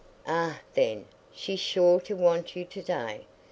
"Ah, then, she's sure to want you to day.